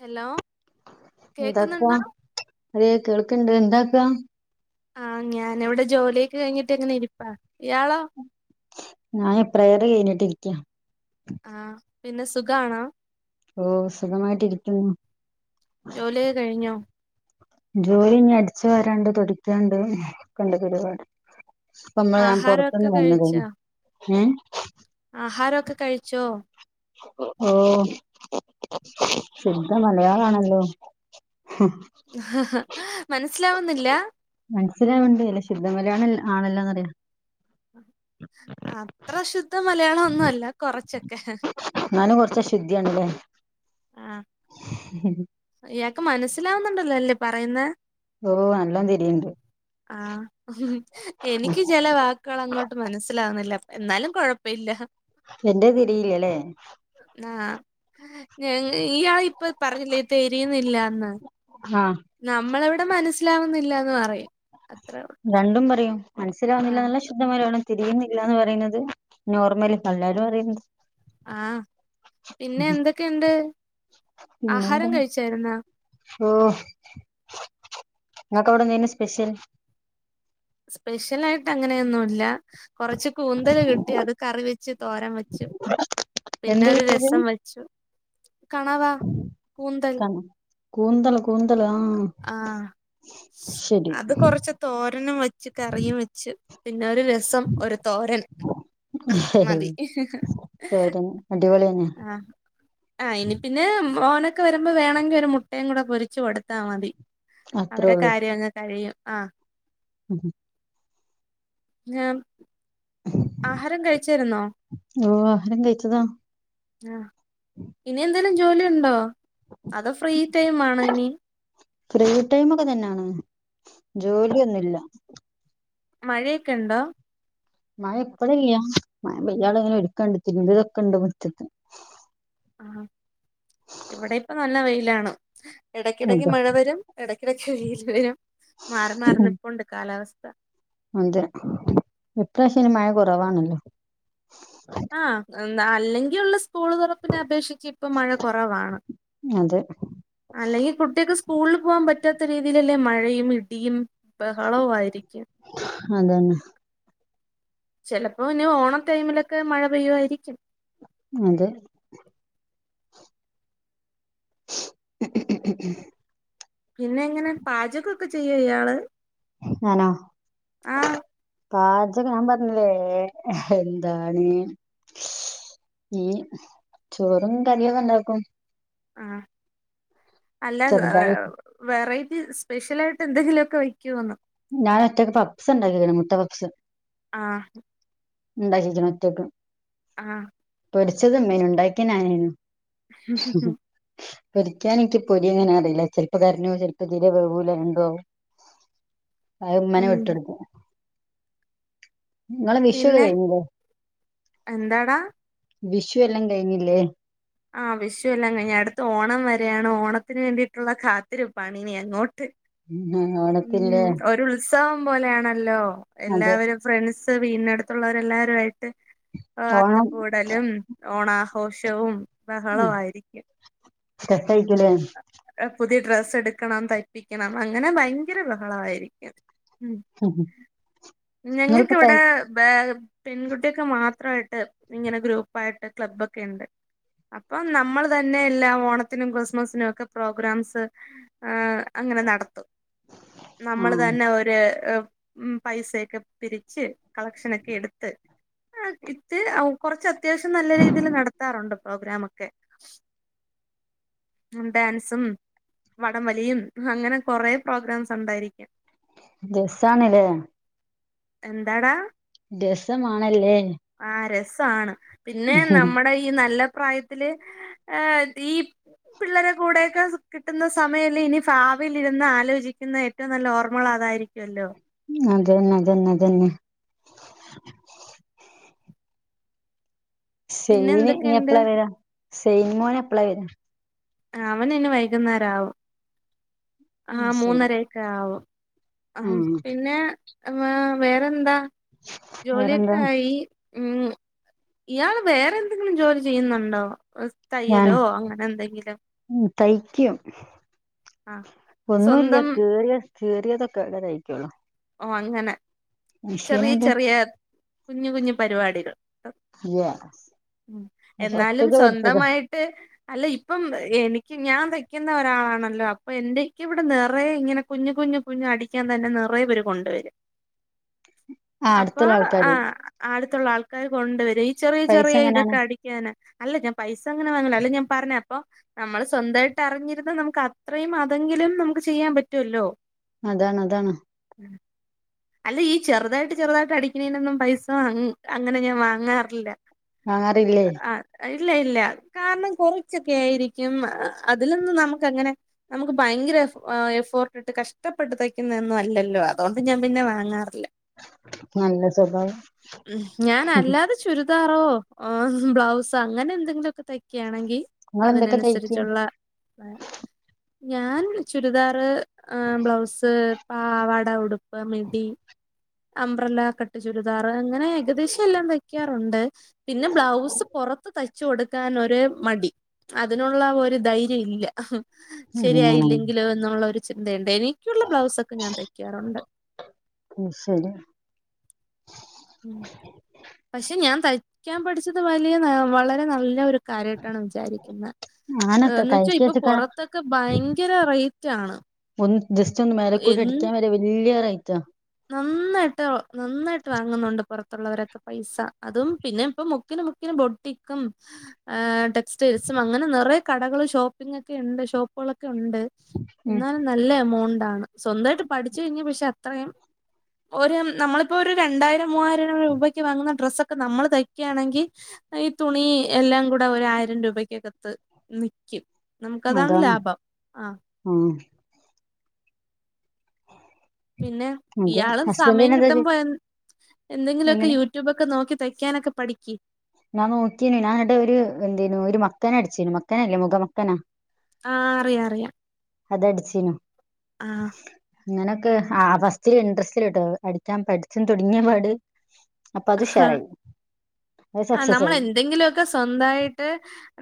Hello കേക്കുന്നുണ്ടോ അതയ കേൾക്കണ്ട് എന്താക്കാ ആഹ ഞാന ഇവിടെ ജോലിയൊക്കെ കഴിഞ്ഞിട്ട് എങ്ങനെ ഇരിപ്പാ ഇയാളോ ഞാൻ എപ്രയറെ കഴിഞ്ഞിട്ടിരിക്ക ആ പിന്നെ സുഖ ആണോ ഓ സുഖമായിട്ടിരിക്കുന്നു ജോലിയ കഴിഞ്ഞു ജോലി ഇ അടിച്ചു വരാണ്ട് തുടിക്കാണ്ട് ഒക്കണ്ട് ഒരു ഒരുപാട് അ നമ്മൾ ഞാൻ ആഹാരമൊക്കെ പുൊറത്തുന്ന് വന്നുതു ഉ ആഹാരൊക്കെ കഴിച്ചോ? ഓ ശുദ്ധ മലയാളാണല്ലോ? ആ മനസിലാവുന്നില്ല? മനസ്സിലാവണ്ട് അല്ല ശുദ്ധമല ആണല്ല ആണല്ലാന്ന്റിയ. അത്ര ശുദ്ധ മലയാളം ഒന്നും അല്ല കൊറച്ചൊക്കെ. ശുദ്ധിയാണല്ലേ? ഉം ഇയാക്ക് മനസ്സിലാവുന്നുണ്ടല്ലോ അല്ലേ പറയുന്നെ? ഓ നല്ലോന്നതിരിയു ആ എനിക്ക് ചില വാക്കുകൾ അങ്ങോട്ട് മനസ്സിലാവുന്നില്ല. എന്നാലും കൊഴപ്പമില്ല. എന്റെ തിരീലല്ലേ? ആ ഞ ഇയാൾ ഇപ്പ തരിയുന്നില്ലാന്ന് ആഹ് നമ്മള എവിടെ മനസ്സിലാവുന്നില്ലന്ന് പറയും. അത്രേ ഒള്ളൂ. രണ്ടും പറയും ആഹ് മനസ്സിലാവുന്നില്ലാന്നുള്ള ശുദ്ധമലയാള തിരിയുന്നില്ലന്ന് പറയുന്നത് നോർമല് തള്ളേരും പറയുന്നത് ആ പിന്നെ എന്തൊക്കെയുണ്ട് പിന്നെന്താ ആഹാരം കഴിച്ചാരുന്നോ? ഓ നിങ്ങക്ക് എവിടെന്നെ സ്പെഷ്യൽ? സ്പെഷ്യൽ ആയിട്ട് അങ്ങനെയൊന്നു ഇല്ല. കൊറച്ച് കൂന്തൽ കിട്ടി അത് കറി വെച്ച് തോരൻ വെച്ചു. പിന്നെ എന്ത് ഒരു കിട്ടിയത് രസം വെച്ചു. കണവ കൂന്തൽ കൂന്തലൊ? ആ ശരി അത് കൊറച്ച് തോരനും വെച്ച് കറിയും വെച്ച്. പിന്നെ ഒരു രസം ഒരു തോരൻ മതി. തോരൻ അടിപൊളിയന്നെ ആ ആ ഇനി പിന്നെ ബ്രോനൊക്കെ വരുമ്പോ വേണെങ്കിൽ ഒരു മുട്ടയും കൂടെ പൊരിച്ചു കൊടുത്താ മതി. അത്രേ അവരെ കാര്യങ്ങ് കഴിയും ആ ഉം ഞാം ആഹാരം കഴിച്ചിരുന്നോ? ഓ ആഹാരം കഴിച്ചതാ. ആ ഇനി എന്തേങ്കലും ജോലി ഉണ്ടോ? അതൊ ഫ്രീ ടൈം ആണൊ ഇനി? ഫ്രീ ടൈമ് ഒക്കെ തന്നെയാണ് ജോലിയൊന്നുമില്ല. മഴയൊക്കെ ഇണ്ടോ? മഴ എപ്പളില്ല. മഴ പെയ്യാനുള്ള ഇങ്ങനെ ഒരുക്കണ്ട് എടുക്കണ്ട് ഇരുള് വെക്കെണ്ട് മുറ്റത്ത് ആ ഇവിടെ ഇപ്പ നല്ല വെയിലാണ്. ഇടയ്ക്കിടക്ക് അതാ മഴ വരും ഇടക്കിടക്ക് വെയിൽ വരും മാറി മാറന്നിപ്പുണ്ട് കാലാവസ്ഥ. ഉണ്ട് ഇപ്രാവശ്യം മഴ കുറവാണല്ലോ? ആ എന്താ അല്ലെങ്കിൽ ഉള്ള സ്കൂൾ തുറപ്പിനെ അപേക്ഷിച്ച് ഇപ്പ മഴ കുറവാണ് അതെ അല്ലെങ്കിൽ കുട്ടികക്ക് സ്കൂളിൽ പോകൻ പറ്റാത്ത രീതിയിലല്ലേ മഴയും ഇടിയും ബഹളവും ആയിരിക്കും. അതന്നെ. ചിലപ്പോ ഇനി ഓണം ടൈമിലൊക്കെ മഴ പെയ്യുവായിരിക്കും. അതെ. ശബ്ദം ക്ലിയർ അല്ല പിന്നെ എങ്ങനെ പാചകൊക്കെ ചെയ്യുവൊ ഇയാള്? ഞാനോ? ആഹ് പാചകം ഞാൻ പറഞ്ഞില്ലേ എന്താണ് മീൻ ചോറും കറിയൊക്കെ ഉണ്ടാക്കും ആ അല്ല ചെറുതായി വെറൈറ്റി സ്പെഷ്യലായിട്ട് എന്തെങ്കിലുമൊക്കെ വെയ്ക്കോന്ന് ഞാൻ ഒറ്റയ്ക്ക് പപ്പ്സ് ഉണ്ടാക്കിണ് മുട്ട പപ്സ് ആ ഉണ്ടാക്കിക്കണ് ഒറ്റക്ക് ആ പൊരിച്ചതുമ്മേനു ഉണ്ടാക്കിത് ഞാനാരുന്നു ആ ആ ആ പൊരിക്കാൻ ആയിട്ട് പൊരി അങ്ങനെ അറിയില്ല ചിലപ്പോ കരിഞ്ഞോം ചെലപ്പോ തീരെ വെവുല എന്തോ ആവും അത ഉമ്മനെ ഉം വിട്ടെടുത്ത നിങ്ങളെ വിഷുക്കെ പിന്നെ കഴിഞ്ഞില്ലേ എന്താടാ വിഷു എല്ലാം കഴിഞ്ഞില്ലേ ആ് വിഷുവല്ലാം കഴിഞ്ഞ അടുത്ത് ഓണം വരെയാണ് ഓണത്തിന് വേണ്ടിയിട്ടുള്ള കാത്തിരിപ്പാണ് ഇനി അങ്ങോട്ട്. ഉം ഓണത്തില്ലേ ഉം ഒരു ഉത്സവം പോലെയാണല്ലോ എല്ലാവരും ഫ്രണ്ട്സ് വീടിനടുത്തുള്ളോരെല്ലാരും ആയിട്ട് ഓണം അത്തപ്പൂടലും ഓണാഘോഷവും ബഹളായിരിക്കും. ശെച്ചായിക്കില്ലേ ഡ്രസ്സ് എടുക്കണം തയ്പ്പിക്കണം അങ്ങനെ ഭയങ്കര ബഹളായിരിക്കും. ഉം നിങ്ങളിപ്പോ തൈ ഞങ്ങക്കിവിടെ ബെ പെൺകുട്ടിയക്ക് മാത്രയിട്ട് ഇങ്ങനെ ഗ്രൂപ്പായിട്ട് ക്ലബ്ബോക്കെ ഇണ്ട്. അപ്പം നമ്മള് തന്നെ എല്ലാം ഓണത്തിനും കൃ സ്മസിനൊക്കെ പ്രോഗ്രാംസ് അങ്ങനെ നടത്തും. ആ നമ്മള് തന്നെ ഒര് ഉം പൈസയൊക്കെ പിരിച്ച് കളക്ഷനൊക്കെ എടുത്ത് ആ ഇത് കൊറച്ച അത്യാവശ്യം നല്ല രീതിയിൽ നടത്താറുണ്ട് പ്രോഗ്രമക്കെ. ഡാൻസും വടംവലിയും അങ്ങനെ കൊറേ പ്രോഗ്രാംസ് ഒണ്ടായിരിക്കും. ജസാണല്ലേ. എന്താടാ. രസമാണല്ലേ. ആണ് പിന്നെ നമ്മുടെ ഈ നല്ല പ്രായത്തില് ഏഹ ഈ പിള്ളേരെ കൂടെയൊക്കെ കിട്ടുന്ന സമയല്ലേ ഇനി ഭാവിലിരുന്ന് ആലോചിക്കുന്ന ഏറ്റവും നല്ല ഓർമ്മകളാണ്. അതായിരിക്കുല്ലോ. അതന്നതന്നെതന്നെ. പിന്നെ സെയന് നി എന്തൊക്കെയുണ്ട് എപ്പളാ വരാ സെയിൻ മോനഎപ്പളാ വരാ അവന് ന്നി വൈകുന്നേരം ആവും. ആ ഉം, ശരി മൂന്നരെക്ക ആവും. ആ ഉം പിന്നെ വേറെന്താ? ജോലിയൊക്കെ വേറെന്താ ആയി. ഉം ഇയാള് വേറെ എന്തെങ്കിലും ജോലി ചെയ്യുന്നുണ്ടോ? ഞാനോ തയ്യലോ അങ്ങനെ എന്തെങ്കിലും ഉം തയ്ക്കും. ആ ഒന്നുല്ല്യ സ്വന്തം കേറിയ കീറിയതൊക്കെ തയിക്കോളൂ. ഓ അങ്ങനെ ചെറിയ ചെറിയ കുഞ്ഞ് കുഞ്ഞു പരിപാടികൾ. ഇല്ല ഉ പക്ഷെ എന്നാലും ഒറ്റക്ക് പഠിച്ചതാ സ്വന്തമായിട്ട് അല്ല ഇപ്പം എനിക്ക് ഞാൻ തയ്ക്കുന്ന ഒരാളാണല്ലോ അപ്പൊ എന്റെക്ക ഇവിടെ നിറയ ഇങ്ങനെ കുഞ്ഞു കു കുഞ്ഞു കുഞ് അടിക്കാൻ തന്നെ നിറയ പേര് കൊണ്ടുവരും. ആ അപ്പൊ അടുത്തുള്ള ആ ആൾക്കാര് അടു ത്തുള്ള ആൾക്കാര് കൊണ്ട്വരും. ഈ ചെറിയ പൈസ ചെറിയ എങ്ങനെയാണ് ഇതൊക്കെ അടിക്കാന്. അല്ല ഞാ പൈസ അങ്ങനെ വാങ്ങല അല്ല ഞാ പറഞ്ഞ അപ്പൊ നമ്മള് സ്വന്തയിട്ട് അറിഞ്ഞിരുന്ന നമുക്ക് അത്രയും അതെങ്കിലും നമുക്ക് ചെയ്യാൻ പറ്റുല്ലോ. അതാണ് അതാണ്. ഉം. അല്ല ഈ ചെറുതായിട്ട് ചെറുതായിട്ട് അടിക്കുന്നേനൊന്നും പൈസ അങ്ങനെ ഞാ വാങ്ങാറില്ല. വാങ്ങാറില്ലേ. ആ ഇല്ല ഇല്ല കാരണം കുറച്ചൊക്കെ ആയിരിക്കും അതിൽ നിന്ന് നമുക്ക് അങ്ങനെ നമുക്ക് ഭയങ്കര എഫോർട്ട് ഇട്ട് കഷ്ടപ്പെടുത്തക്കുന്നെന്നും അല്ലല്ലോ അതൊണ്ട് ഞാ പിന്നെ വാങ്ങറില്ല. നല്ല സ്വഭാവം ഞാൻ അല്ലാതെ ചു ദാറോ ബ്ലൗസ അങ്ങനെ എന്തെങ്കിലു തൈക്കാണെങ്കി നിങ്ങളെന്തൊക്കെ തയ്ക്കും അതിനനുസരിച്ചുള്ള ഞാൻ ചുരിദാർ ബ്ലൗസ് പാവാട ഉടുപ്പ് മി ടി അബ്രല കട്ടു ചുരിദാർ അങ്ങനെ ഏകദേശം എല്ലാം തയ്ക്കാറുണ്ട്. പിന്നെ ബ്ലൗസ് പൊറത്ത് തയ് ച്ച് കൊടുക്കാനൊരു മടി. അതിനുള്ള ഒരു ധൈര്യം ഇല്ല. അങ്ങനെ ശരിയായില്ലെങ്കിലോ എന്നുള്ള ഒരു ചിന്തയല്ല ഡ എനിക്കുള്ള ബ്ലൗസ് ഒക്കെ ഞാൻ തയ്ക്കാറുണ്ട് അത് ശരി [inaudible] പക്ഷെ ഞാൻ തയ്ക്കാൻ പഠിച്ചത് വലിയ വളരെ നല്ല ഒരു കാര്യയിട്ടാണ് വിചാരിക്കുന്നത് അങ്ങനെ ന്ന് തയ്ക്കാ വെച്ചാ ഇപ്പൊ വെച്ചക്കാ പുറത്തൊക്കെ ഭയങ്കര റേറ്റ് ആണ് ഒന്ന് ജസ്റ്റ് ഒന്ന് എ മേലക്കൂടി അടിക്കാൻ വരെ വലിയ നന്നായിട്ട് നന്നായിട്ട് വാങ്ങുന്നുണ്ട് പുറത്തുള്ളവരൊക്കെ പൈസ അതും പിന്നെ ഇപ്പൊ മുക്ക [unintelligible] ബോട്ടിക്കും സ്റ്റേസും അങ്ങനെ നിറയ കടകൾ ഷോപ്പിംഗ ഒക്കെ ഇണ്ട് ഷോപ്പുകളൊക്കെ ഉണ്ട് ഉം ന്നാലും നല്ല എമൗണ്ട് ആണ് സ്വന്തയിട്ട് പഠിച്ചു കഴിഞ്ഞ പക്ഷെ അത്രയും [inaudible] ഒരു നമ്മളിപ്പോൊഒരു രണ്ടായിരം മൂവായിരം രൂപയ്ക്ക് വാങ്ങുന്ന ഡ്രസ്സൊക്കെ നമ്മൾ തയ്ക്കുകയാണെങ്കിൽ ഈ തുണി എല്ലാം കൂടെ ഒ ആയിരം രൂപക്കകത്ത് നക്കും നമുക്കതാണ് അതാണ് ലാഭം ആ ഉം പിന്നെ അതെ ഇയാളും സമയം ഹസ്ബൻഡിന് എന്താ ജോ കിട്ടുമ്പോ എ എന്തെങ്കിലുമൊക്കെ എങ്ങനെ യൂട്യൂബൊക്കെ നോക്കി തയ്ക്കാനൊക്കെ പഠിക്ക്ക് ഞാൻ നോക്കിയനു ഞാനടെ ഒരു എന്തേനു ഒരു മക്കന അടിച്ചേനു മക്കനല്ലേ മുഖ മക്കനാ ആ അറിയ അറിയാം അത് അടിച്ചിനു ആ അങ്ങനെയൊക്കെ അവസ്ഥൽ ഇൻട്രസ്റ്റില കേട്ടോ അടിക്കാൻ പഠിച്ചൻ തുടങ്ങിയപാട് അപ്പൊ അത് ഷെയർയി ആ നമ്മൾ എന്തെങ്കിലുക്കെ സ്വന്തായിട്ട്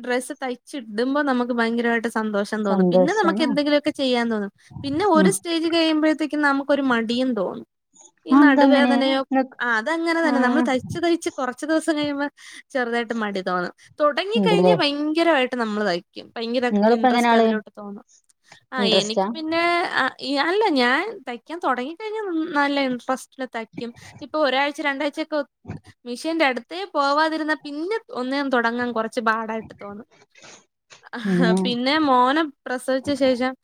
ഡ്രസ്സ് തയ്ച്ച ഇടുമ്പോ നമുക്ക് ഭയങ്കരമായിട്ട് സന്തോഷം തോന്നും പിന്നെ നമുക്ക് സന്തോഷാണ് എന്തെങ്കിലുമൊക്കെ ചെയ്യാൻ തോന്നും പിന്നെ ഒരു ഉം സ്റ്റേജ് കഴിയുമ്പോഴത്തേക്കും നമുക്ക് മടിയ തോന്നും ഈ ആ എന്താ അങ്ങനെ നടുവേദനയോ ഇങ്ങക്ക് ആ നമ്മള് തയ്ച്ച് തയ്ച്ച് കുറച്ച് ദിവസം കഴിയുമ്പോ ചെറുതായിട്ട് മടി തോന്നണം തുടങ്ങി ഇണ്ട്ല്ലേ കഴിഞ്ഞാൽ ഭയങ്കരമായിട്ട് നമ്മൾ തായിും ഭയങ്കര നിങ്ങളിപ്പോ എങ്ങനെ ഇൻട്രസ്റ്റ് ആള് അതിലോട്ട് തോന്നും ആ എനിക്ക് ഇൻട്രസ്റ്റാ പിന്നെ അല്ല ഞാൻ തയ്ക്കാൻ തുടങ്ങി കഴിഞ്ഞാൽ നല്ല ഇൻട്രസ്റ്റന് തയ്ക്കും ഇപ്പൊ ഒരാഴ്ച രണ്ടാഴ്ചക്കെ മിഷീന്റെ അടുത്തേ പോവാതിരുന്ന പിന്നെ ഒന്നേും തുടങ്ങാൻ കുറ കുച്ച് പാടായിട്ട് തോന്നും ഉം പിന്നെ മോനം പ്രസവിച്ച ശേഷം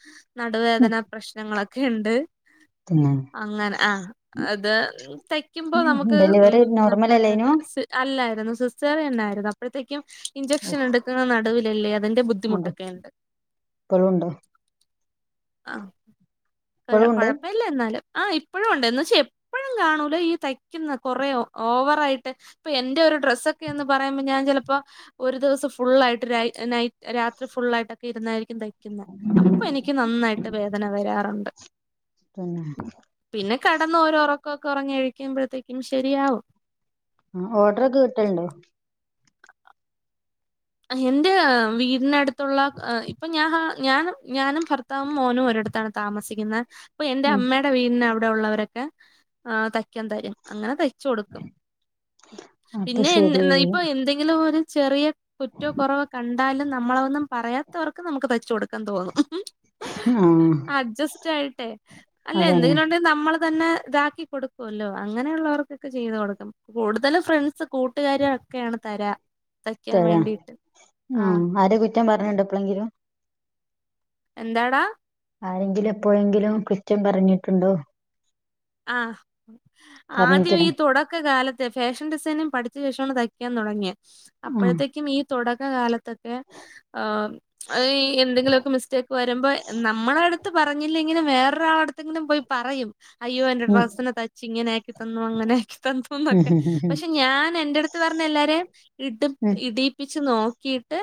ഉം നടുവേദന പ്രശ്നങ്ങളൊക്കെ ണ്ട് പിന്നെ അങ്ങനെ ആ അത് തയ്ക്കുമ്പോ നമുക്ക് ഡെലിവറി നോർമൽ നവേദനക്ക അല്ലേനു അല്ലായിരുന്നു സിസ്റ്ററി ഉണ്ടായിരുന്നു അപ്പോഴത്തേക്കും ഇഞ്ചക്ഷൻ ഉഫ്, എടുക്കുന്ന നടുവിലല്ലേ അതിറെ ബുദ്ധിമുട്ടൊക്കെ ഇണ്ട് ണ്ടോ ആഹ ഉണ്ട് കൊഴപ്പില്ല എന്നാലും ആ ഇപ്പഴും ഒണ്ട് എന്നച്ചാ ഴും കാണൂല ഈ തയ്ക്ക്ന്ന കൊറേ ഓവറായിട്ട് ഇപ എന്റെ ഒരു ഡ്രൊക്കെന്ന് പറയ്മ്പ ഞാൻ ചെൽ പ്പോ ഒരു ദിവസം ഫുള്ളായിട്ട് രൈ നൈ രാത്രി ഫുള്ളായിട്ടൊക്കിരുന്നായിരിക്കും ത അപ്പൊ എനിക്ക് നന്നായിട്ട് വേദന വരാറൊണ്ട് പിന്നെ പിന്നെ കടന്ന ഓരൊർ കൊക്കൊറങ്ങ്യെഴിക്കുമ്പോഴത്തേക്കും ശരിയാവും ഓർഡ്രൊക്കെ കിട്ടണ്ടോ എന്റെ വീടിനടുത്തുള്ള എ ഇപ്പൊ ഞാൻ ഞാനും ഞാനും ഭർത്താവും മോനും ഒര ടുത്താണ് താമസിക്കുന്ന അപ്പൊ എന്റെ ഉം അമ്മേടെ വീടിന് അവിടെ ഒള്ളവരൊക്കെ തക്കാൻ തരും അങ്ങനെ തയ് ച്ചൊടുക്കും അപ്പൊ പിന്നെ ശരി ഇപ്പൊ എന്തെങ്കിലും ഒരു ചെറിയ ഏറ്റോ കൊറവോ കണ്ടാലും നമ്മള ഒന്നും പറയാത്തവർക്ക് നമുക്ക് തച്ച കൊടുക്കാൻ തോന്നും ആ അഡ്ജസ്റ്റ് ആയിട്ടെ അല്ല അതന്നെ എന്തെങ്കിലും ഒണ്ടെൽ നമ്മള തന്നെ ഇതാക്കി കൊടുക്കോല്ലോ അങ്ങനെയുള്ളവർക്കൊക്കെ ചെയ്ത് കൊടുക്കും കൂടുതലും ഫ്രണ്ട്സ് കൂട്ടുകാരി ഒക്കെയാണ് തരാ തക്കാൻ വേണ്ടീ ഉ അവരെ കുറ്റം പറഞ്ഞിണ്ടോ എപ്പഴെങ്കിലും എന്താടാ ആരെങ്കിലും എപ്പോഴെങ്കിലും കുറ്റം പറഞ്ഞിട്ടുണ്ടോ ആഹ് ആദ്യം പറഞ്ഞിക്കണ് ഈ തുടക്കകാല ഫാഷൻ ഡിസൈനും പഠിച്ച ശേഷോണ് തയ്ക്കാൻ തുടങ്ങ്യെ ആ അപ്പഴ്ത്തേക്കും ഈ തുടക്ക കാലത്തൊക്കെ ഈ എന്തെങ്കിലുമൊക്കെ മിസ്റ്റേക്ക് വരുമ്പോ നമ്മളെ അ ടുത്ത് പറഞ്ഞില്ല ഇങ്ങനെ വേറൊരാളട്ത്തൊക്കെ പോയി പറയും അയ്യോ എന്റെ ഉം ഡ്രസ്സിനെ തച്ച് ഇങ്ങനെ ആക്കി തന്നു അങ്ങനെ ആക്കി ഉം തന്നൂന്നൊക്കെ പക്ഷെ ഞാൻ എന്റെ അടുത്ത് പർ എല്ലാരം ഇട് ഉം ഉം ഇടീപ്പിച്ച് നോ ക്കീട്ട്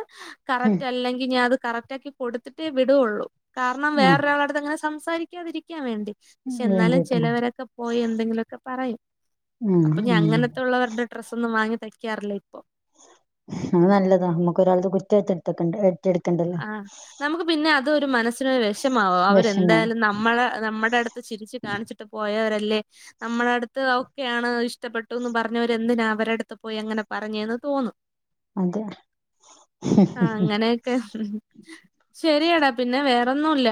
ഉം കറക്റ്റ് അല്ലെങ്കി ഞാൻ അത് കറക്റ്റ് ആക്കി കൊടുത്തിട്ടേ വിടുള്ളൂ കാര്ണം ഉം വേറൊരാളടുത്ത് അങ്ങനെ സംസാരിക്കാതിരിക്കാൻ വേണ്ടി ആ പക്ഷെ എന്നാലും വേണ്ടിട്ടാ ആ ചെിലവരൊക്കെ പോയി എന്തെങ്കിലുവൊക്കെ പറയും ഉം അപ്പൊ ഞഅങ്ങൻത്തൊള്ളവരുടെ ഡ്രസ്സ് ഒന്നും വാങ്ങി തയ്ക്കാറില്ല ഇപ്പൊ അത് നല്ലതാണ് നമ്മുക്ക് ഒരാൾടെ കുറ്റം ഏറ്റെടുത്തു വക്കണ്ട ആ നമുക്ക് പിന്നെ അതും ഒരു മനസ് വിഷമാവും വിഷമം അവരെന്തായാലും നമ്മളെ നമ്മുടെ അടുത്ത് ചരിച്ച് കാണിച്ചിട്ട് പോയവരല്ലെ ല്ലേ നമ്മള അടുത്ത് ഒക്കെയാണ് ഇഷ്ടപ്പെട്ടുന്ന് പറഞ്ഞവര് എന്തിനാ അവര അടുത്ത് പോയി അങ്ങനെ പറഞ്ഞേന്ന് തോന്നും അതെ ആഹ് അങ്ങനെയൊക്കെ ശരിയടാ പിന്നെ വേറൊന്നുല്ല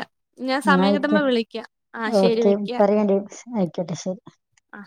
ഞാൻ എന്നാ സമയം കിട്ടുമ്പോ ആയിക്കോട്ടെ വിളിക്കാം ആ ശരി ഓക്കെ വെക്ക പറയണ്ടി ആയിക്കോട്ടെ ശരി ആ